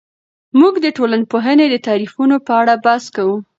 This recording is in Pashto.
موږ د ټولنپوهنې د تعریفونو په اړه بحث کوو.